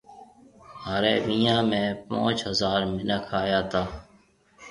مهاريَ ويهان ۾ پونچ هزار مِنک آيا تا۔